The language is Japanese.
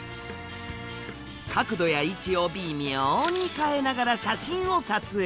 角度や位置を微妙に変えながら写真を撮影。